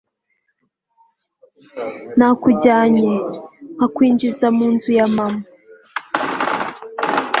nakujyanye, nkakwinjiza mu nzu ya mama